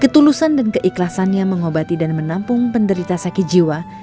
ketulusan dan keikhlasannya mengobati dan menampung penderita sakit jiwa